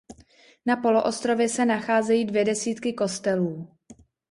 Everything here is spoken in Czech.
Na poloostrově se nacházejí dvě desítky kostelů.